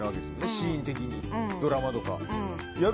シーン的に、ドラマとか。